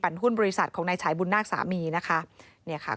ปั่นหุ้นบริษัทของในฉายบุญนาคสามีนะคะ